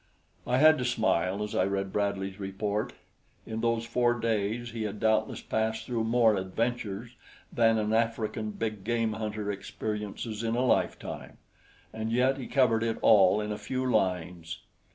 I had to smile as I read Bradley's report. In those four days he had doubtless passed through more adventures than an African big game hunter experiences in a lifetime, and yet he covered it all in a few lines.